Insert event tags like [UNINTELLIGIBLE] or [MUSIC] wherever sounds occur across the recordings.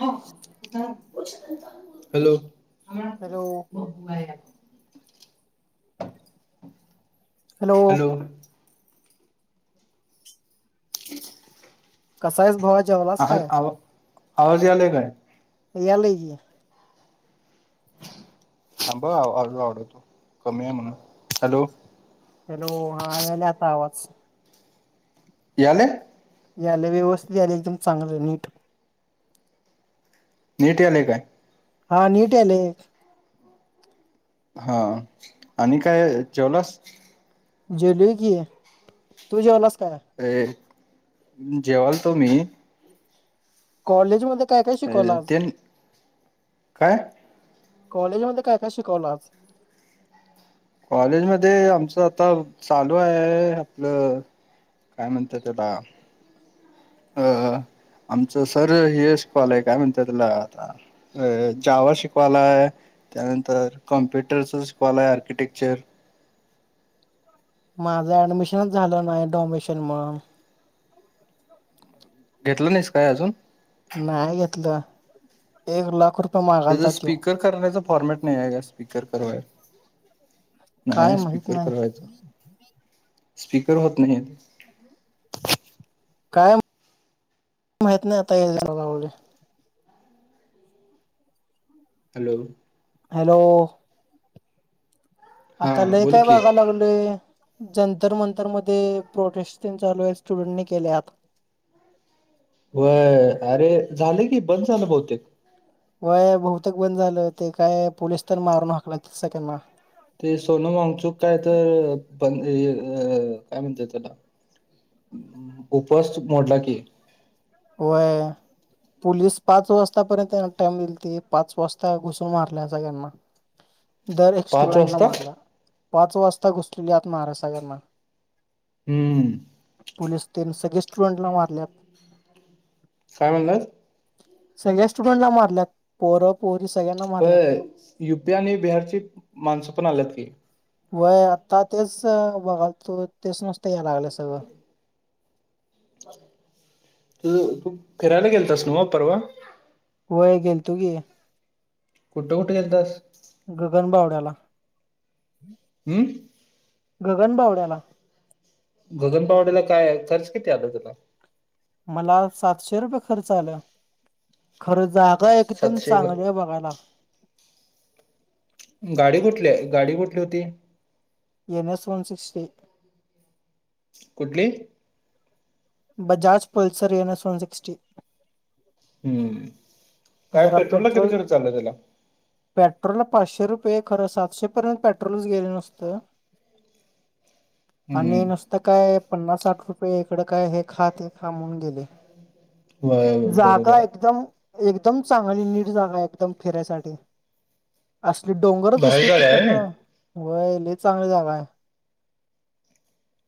Hello. Hello. Hello hello ह. कसा आहेस भवा जेवलास काय? आवाज यायलाय काय? यायलाय की. थांब हा आवाज वाढवतो कमी आहे म्हणून हॅलो. हॅलो हा यायला आता आवाज. यालाय. यालय व्यवस्थित यायलय एकदम चांगलं नीट. नीट यायलेय काय? हा निट यायलेय. हा आणि काय जेवलास? जेवलोय कि, तु जेवलास काय? अ जेवालतो मी. कॉलेज मध्ये काय काय ए शिकवलं आज? ते काय कॉलेज मध्ये काय काय शिकवलाज कॉलेज मध्ये आमचं आता चालू आहे आपलं काय म्हणत्यात त्याला अ आमचं सर हे शिकवालय काय म्हणत्यात त्याला आता. अ ज्यावा शिकवालाय. त्यानंतर कॉम्प्युटरचं शिकवायला आर्किटेक्चर. माझं ऍडमिशनच झालं नाही डोमेशियल म्हणून घेतलं नाहीस काय अजून. नाही घेतलं एक लाख रुपये. हेच मागालता त्यो स्पीकर करण्याच फॉर्मेट नाही आहे का स्पीकर करा. काय नाही माहित स्पीकर नाही करायचा स्पीकर होत नाही. काय माहित नाही आता. [UNINTELLIGIBLE] हॅलो. हॅलो. हा आता लय बोल काय की बघाय लागलोय. जंतर मंतर मध्ये प्रोटेस्ट तेन चालू आहे स्टुडंटनी केल्यात. व्हय अरे झाले की बंद झालं बहुतेक. व्हय बहुतेक बंद झालं ते काय पोलिस तेन मारून हाकलालतीत सगळ्यांना. ते सोनम वांगचूक काय तर अ काय म्हणत्यात त्याला. उपवास मोडला की. व्हय. पोलीस पाच वाजतापर्यंत त्यांना टाइम दिल ते पाच वाजता घुसून मारल्या सगळ्यांना. [INAUDIBLE] दर एक पाच स्टुडंटला वाजता मारला पाच वाजता घुसलेली आत माराय सगळ्यांना. हू! पोलिस तेन सगळे स्टुडंटला मारल्यात. काय म्हणलास? सगळ्या स्टुडंटला मारल्यात, पोरं पोरी सगळ्यांना मारल्यात. होय युपी आणि बिहारची माणसं पण आल्यात की. व्हय आत्ता तेचं बघालतो, तेच नुसत याय लागलं सगळं. तु-तू फिरायला गेल तस नवं परवा? व्हय गेल तो की. कुठं कुठं गेलतास. गगनबावड्याला. हू! गगनबावड्याला. गगनबावड्याला काय आहे, खर्च किती आला तुला? मला सातशे रुपये खर्च आला. खरं जागा एकदम सातशे चांगली आहे बघायला. गाडी कुठलीयं आहे, गाडी कुठली होती? N S one sixty. कुठंली? Bajaj Pulsar N S one sixty. हू! जरा पेट्रोल. त्याला पेट्रोल ला पाचशे रुपये खरं सातशे पर्यंत पेट्रोलच गेलं नुसतं. [INAUDIBLE] आणि नुसतं काय पन्नास साठ रुपये इकडं काय हे खा ते खा म्हणून गेले. ब जागा बरोबर आहे एकदम. एकदम चांगली नीट जागा एकदम फिरायसाठी. असली डोंगरच बाहेर दिसते गाडी आहे होय? तिकडनं व्हय लयं चांगली जागा हाय.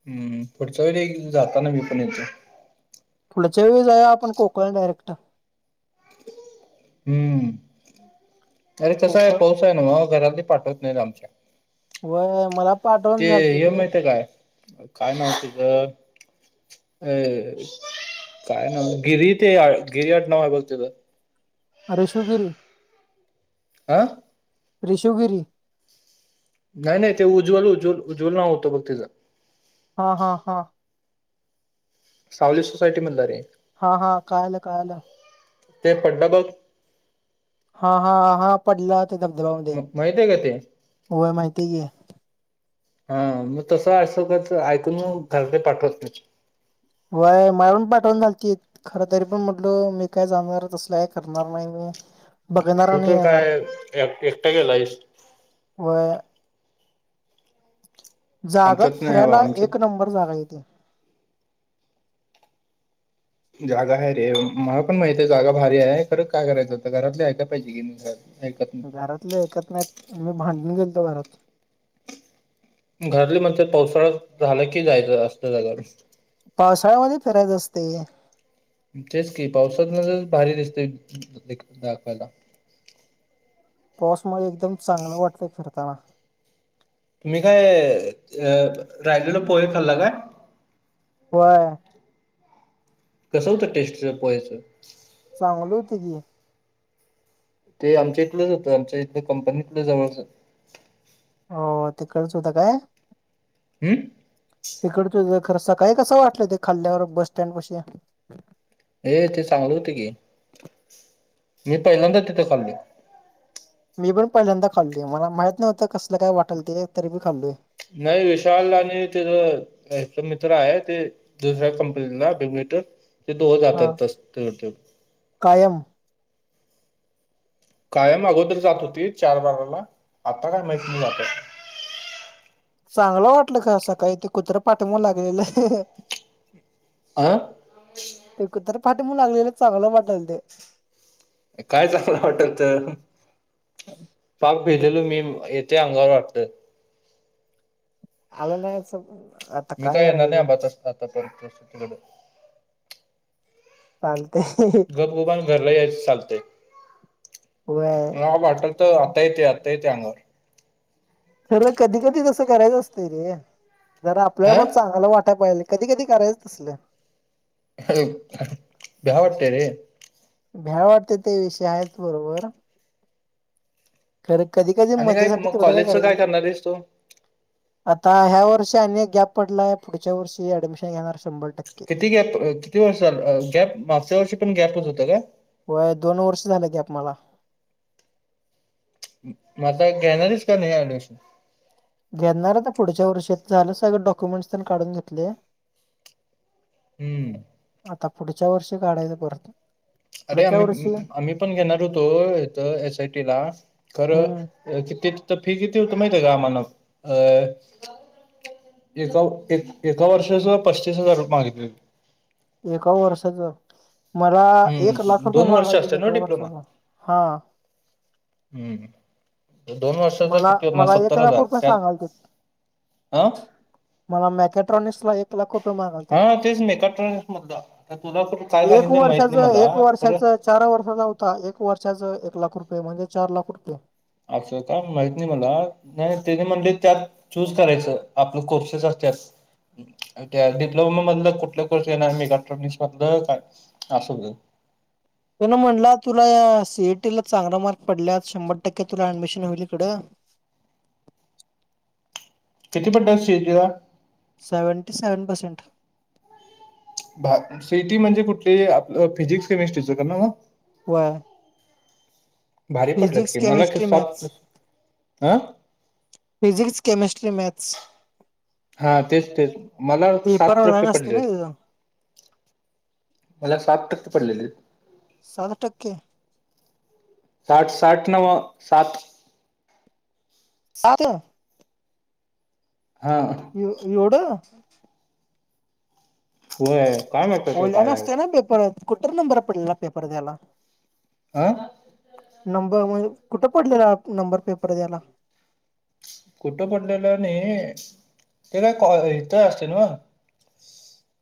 हू पुढच्या वेळी जातांना मी पण येतो. पुढच्या वेळी जाऊं या आपण कोकण डायरेक्ट. हू अरे कसां हे कोकण पाऊस. कसंय नव्ह घरातली पाठवत नाहीतं आमच्या. व्हयं मला पाठवण ते झालतीत ये मी माहित काय, काय नाव तीच? अ काय नाव गिरी ते या गिरीयात नाव बोलते बघ. आरे शिवगिरी. आं! अरे शिवगिरी. नाही नाही ते उज्वल, उज्वल, उज्वल नाव होत बघ तेचं. हा हा हा! सावली सोसायटी मधला रे. हा हा कळालं, कळालं. ते पडलं बघ. हा हा हा पडला ते धबधब्यामदे माहित आहे का ते व्हयं माहिती की. हा म तसं अस कसं ऐकून घरचे पाठवत नही. व्हयं मारून पाठवून घालती. खरं तरी पण म्हटलं मी काय जाणार तसलयं करणार नाही मी. बघणार तू नाही तर काय येणार एक एकटा गेलायस. व्हयं. जागा आमच्यात नाही बा फिरायला एक आमच्यात नंबर जागायं ती. जागा हाय रे मला पण माहितं जागा भारीये खरं काय करायचंत घरातले ऐकाय पाहिजे की नी घरात. घरातले ऐकत नाहीत मी भांडून गेलतो घरात. घरली म्हणत्यात पावसाळा झाला की जायचं असत जरं. पावसाळ्यामध्ये फिरायचं असतंय. तेच की पावसातन लय भारी दिसतयं दाखवायला. पाऊसमुळे एकदम चांगलं वाटतं फिरताना. तुम्ही काय अ रायलेल पोहे खाल्ला काय. होय. कस होत टेस्ट पोयच. चांगलं होत की. ते आमच्या इथलंच होतं आमच्या इथ कंपनीतलं जवळच. हो तीकळच होत का. हम. तिकडं तुझ खर सकाळी कसं वाटलं ते खाल्ल्यावर बस स्टँड पशी. ये ते चांगलं होत की. मी पहिल्यांदा तिथे खाल्लोय. मी पण पहिल्यांदा खाल्ल आहे मला माहित नव्हतं कसलं काय वाटल ते तरीभी खाल्लोय. नाही विशाल आणि त्याच मित्र आहे ते. दुसऱ्या कंपनीला बेगट ते दो हा जातात. [INAUDIBLE] कायम. कायम अगोदर जात होती चार बाराला आता काय मैत नही जातय. चांगलं वाटलं का सकाळी ते कुत्रं पाठीमाग लागलेलं. आं ते कुत्रं पाठमाग लागलेलं चांगलं वाटेल थ. काय चांगलं वाटेल थ पाक भिलेलो मी येते अंगावर. आला नाहीच. मी काय येणार नाही आात आता परत [INAUDIBLE] परिस्थितीकडे. चालत. गपगुपान घरला याच चालतय व्हय म वाटत. आताय आता येते अंगवर तरला कधी कधी तसं करायचं असतंय रे जर आपल्या मग. अं चांगाल वाटा पाहियेल कधी कधी करायचं तसलं. अ ब् भ्या वा्टे रे. भ्याय वाटते ते विषय आहेच बरोबर. र कधी कधी आणि काय मजेसाठी मग तेवढं काय कॉलेजच करायचं. करणार आहेस तू आता ह्या वर्षी आणि एक गॅप पडला आहे पुढच्या वर्षी ऍडमिशन घेणार शंभर टक्के. किती गॅप किती वर्ष झा गॅप मागच्या वर्षी पण गॅपच होत का. हो दोन वर्ष झालं गॅप मला. मग आता घेणारेस का नाही ऍडमिशन. घेणार आता पुढच्या वर्षात झालं सगळं डॉक्युमेंट्स प काढून घेतले. हम्म. आता पुढच्या वर्षी काढायच परत. अरे पुढच्या आम्ही, वर्षी आम्ही पण घेणार होतो इथ एस आय टी ला, हम्म खरंऽ कि तर फी किती होत माहिती आहे का समाधान? अं ऽ एका, एक एका वर्षाचं पस्तीस हजार रुपय मागितलीत. एका वर्षाच,, मला एक लाख हम्म रुपये दोन वर्ष मागायलतीत असते ना एका डिप्लोमा वर्षाच,, हा. हम्म हम्म. दोन वर्षाच मला किती होणार? मला एक सत्तर लाख हजार रुपये त्यात सांगालते अऽ मला मॅकेट्रॉनिक्स आनी एकऽ एक लाख रुपये मागालतीत,, हा तेच मेकाट्रॉनिक्स मधलं आता तुला कुठं काय एक सांगितलं माहित वर्षाच नाही मला एक खरं वर्षाचऽ चार वर्षाचा हुता,, एक वर्षाच एक लाख रुपय म्हणजे चार लाख रुपय. असं का माहीत नाही मला,, नाही तेनी म्हणले त्यातऽ चूस करायचं, आपलं कोर्सेस असत्यात. त्या डिप्लोमा मधलं कुठल्या कोर्स येणार इलेक्ट्रॉनिक्स मधलं काय, असं हुतय. ते न म्हणला, तुला सी ए टी ला चांगला मार्क पडल्यात, शंभर टक्के तुला ऍडमिशन हुईल इकडं. किती पडल्यात सीएटी ला? Seventy seven percent. C A T म्हणजे कुठली? आप फिजिक्स केमिस्ट्रीच नवं. वय. भारी पडल्यात की, मला तर केमिस्ट्री साठ, मॅथ्स अऽ फिजिक्स केमिस्ट्री मॅथ्स. हा तेच तेच, मला पेपर साठ ऑनलाईन टक्के असते पडलेत. ना तुझं मला साट टक्के पडलेलेत. साठ टक्के. साठ साठ नवं, सात. सातं? हा. एव एवढं! होय. काय माहित ते ओल्यान काय आहे असतय ना पेपर,, कुठं नंबर पडलेला पेपर द्यायला? आंऽ नंबर म्हणजे, कुठं पडलेला नंबर पेपर द्यायला? कुठं पडलेलं नाही, ते काय तर, इथं असतय नवं,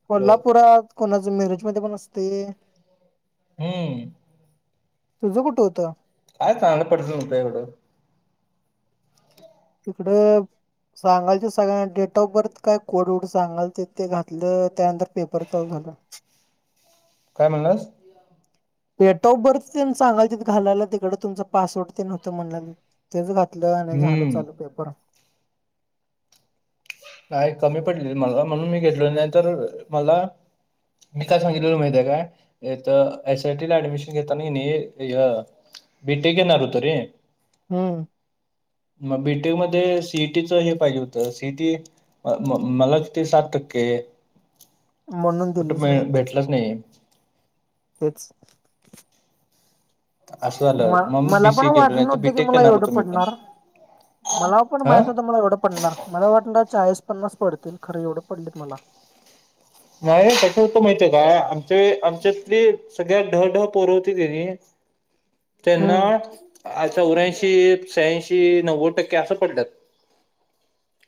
कोल्हापुरात, कोणाचं मिरजमध्ये पण असतय. हम्म. तुझं कुठं होतं? काय चांगलं पडलं तर हुतय एवडं. तिकडंऽ सांगायच ते सगळ्यां, डेट ऑफ बर्थ काय कोड वड सांगालतीत ते ते घातलं, त्यानंतरऽ पेपर चालू झाला. काय म्हणलास? डेट ऑफ बर्थ तेन सांगालतीत घालायला, तिकडं तुमचं पासवर्ड ते होतं म्हणल्यावर. तेच घातलं आणि झालं हम्म चालू पेपर. नाही कमी पडलीत मला, म्हणून मी घेतलो, नाही तर मलाऽ मी का? सांगितलेलो माहित आहे काय? एक एस आय टी ला ऍडमिशन घेताना की नाय! मी ते घेणार होतो रे! हम्म! ! मग बी टेम मध्ये सी ई टी च हे पाहिजे होत. की, मला किती सात टक्के म्हणून कुठ दिलंच नाहीत भेट [UNINTELLIGIBLE] [UNINTELLIGIBLE] तेच! ! असं म झालं मग मी मला पण बीसीए केलो नाही वाटलं तर नव्हतं की? बीटेक मला करणार एवढं होतो मी पण पडणार! मला पण हा माहित होत! मला एवढं पडणार मला वाटल चाळीस पन्नास पडतील खरं एवढं! पडलेत मला नाही कसं! होत माहित आहे काय आमच्या आमच्यातली सगळ्यात ढ ढ पोर होती की नाय त्यांना हम्म चं! ! आ! चोऱ्याऐंशी शहाऐंशी नव्वद टक्के असं पडल्यात!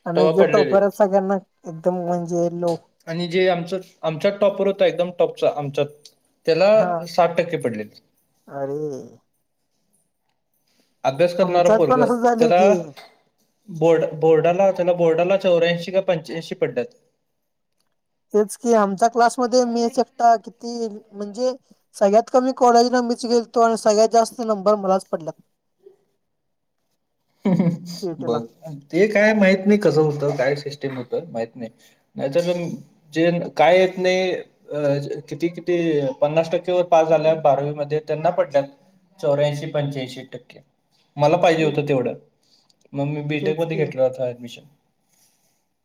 आणि तवा जे पडलेले टॉपर आहेत. सगळ्यांना एकदम म्हणजे लोक आणि जे आमच आमच्यात टॉपवर होता. एकदम टॉपचा आमच्यात हा त्याला साठ टक्के पडलेत अरे! ! अभ्यास करणारं आमच्यात पोरग पण असं झाले त्याला की बोर्ड बोर्डाला त्याला बोर्डाला चौऱ्याऐंशी का? पंच्याऐंशी पडल्यात! तेच कि? आमच्या क्लासमध्ये मीच एकटा किती म्हणजे सगळ्यात कमी कॉलेजला मीच गेेलतो, आणि सगळ्यात जास्त नंबर मलाच पडल्यात. हं! हं! सीईटी ला. बघ! ! ते काय माहित नाही कसं होतं काय? सिस्टीम होत माहित नाही नाहीतर जे काय येत नाही? अ किती किती पन्नास टक्केवर पास झाल्या, बारावीमध्येध्ये त्यांना पडल्या चौर्याऐंशी पंच्याऐंशी टक्के! ! मला पाहिजे तेच होत तेवढं? मग मी बीटेक तेच मध्ये की घेतलेला होता ऍडमिशन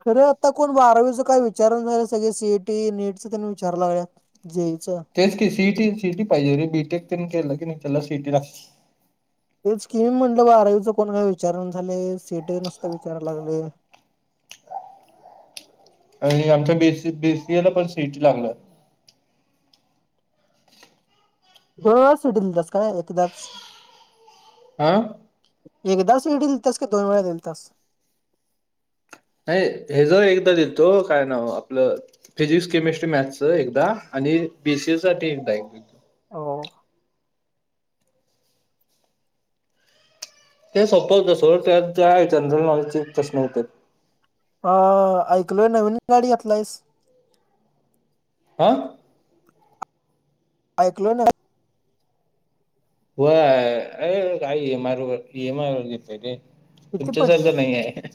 अरे आता कोण? बारावीचं काय विचारण झालं? सगळे सीएटी नीटच त्यांनी विचार लागल्या. जच! ! तेच की सिटी सिटी पाहिजे रे! बीटेक केलं की नाही त्याला सिटी रा ते स्कीम म्हटलं आरयच कोण काही विचार झाले, सीट नसता विचारयला लागले. आणि आमच्या बेसी बीसी एला पण सीट लागलं. हो सुटल तस काय एकदाच. आा! ! एक दास वड दिल तस का? दोन वेळा दिल तास? नाही हे ज एकदा दिलतो काय ना आपलं! ! फिजिक्स केमिस्ट्री मॅथच एकदा, आणि बीसीए साठी एकदा एक. हो! ! ते सोपं होतं सोड त्यात जे आहे जनरल नॉलेजचे, प्रश्न होत. अ! ऐकलोय नवीन गाडी घातलायस! ! हा! ! ऐकलो ना! ! व अ कायमार हेम वेत रे! ! किती पडलं? तुमच्यासारखं नाही आहे!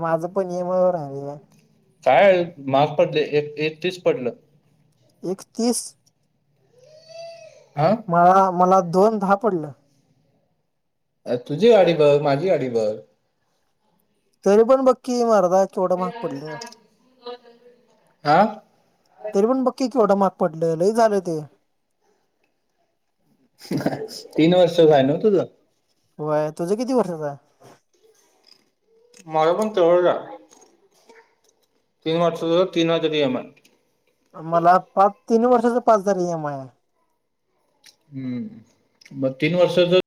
माझं पण येमवर राले का? काय महाग पडले एक एक तीस पडलं. एकतीस. हा! मला मला दोन दहा पडलं. अ तुझी गाडी बघ माझी गाडी बघ. तरी पण बक्की मारदा केवढं महाग पडलं. हा तरी पण बघकी केवढं महाग पडलं लय झालं ते. तीन वर्ष हाय नव तुझं? होय तुझं किती वर्षचा आहे? माझ पण तेवडच. तीन वर्ष तीन हजार इ एम एय. मला पाच तीन वर्षाचा पाच झाला इ एम आय हाय. हम्म मग तीन वर्षाच,